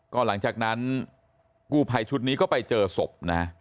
ก็หลังจากนั้นกู้ภัยชุดนี้ก็ไปเจอศพนะ